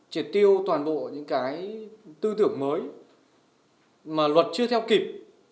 triệt tiêu toàn bộ những cái tư tưởng mới mà luật chưa theo kịp